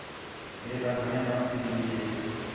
ہے تاں گھݨیں کَم تی ٻِلّھی ہِے